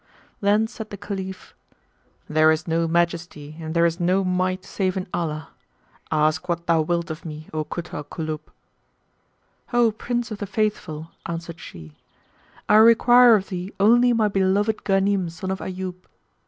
Then said the Caliph, "There is no Majesty and there is no Might save in Allah! Ask what thou wilt of me, O Kut al Kulub." "O Prince of the Faithful!", answered she, "I require of thee only my beloved Ghanim son of Ayyub."